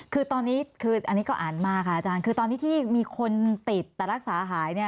คือตอนนี้คืออันนี้ก็อ่านมาค่ะอาจารย์คือตอนนี้ที่มีคนติดแต่รักษาหายเนี่ย